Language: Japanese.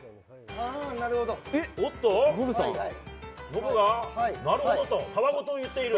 ノブがなるほどとたわごとを言っている。